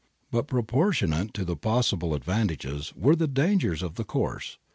But proportionate to the possible advantages were the dangers of the course.